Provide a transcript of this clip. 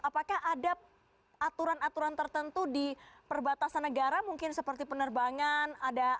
apakah ada aturan aturan tertentu di perbatasan negara mungkin seperti penerbangan